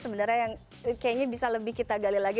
sebenarnya yang kayaknya bisa lebih kita gali lagi